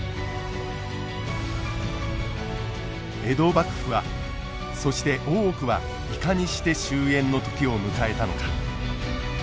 江戸幕府はそして大奥はいかにして終えんの時を迎えたのか。